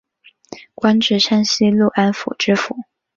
官至山西潞安府知府。